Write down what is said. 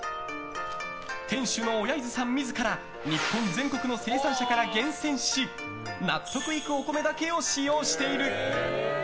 店主の小柳津さん自ら日本全国の生産者から厳選し納得いくお米だけを使用している。